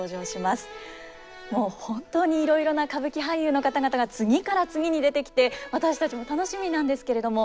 もう本当にいろいろな歌舞伎俳優の方々が次から次に出てきて私たちも楽しみなんですけれども。